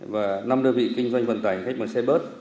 và năm đơn vị kinh doanh vận tải hành khách bằng xe bớt